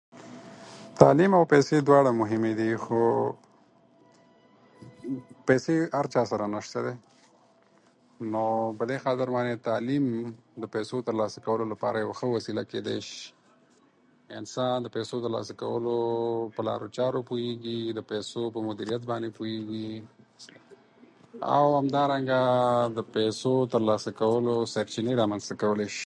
تعلیم او پیسې دواړه مهمې دي خو پیسې هر چا سره نشته دی نو په دې خاطر باندې تعلیم د پیسو ترلاسه کولو لپاره یو ښه وسیله کېدای شي انسان د پیسو ترلاسه کولو په لارو چارو پوهیږي، د پیسو مدیریت باندې پوهیږي او همدارنګه د پیسو ترلاسه کولو سرچینې رامنځته کولی شي.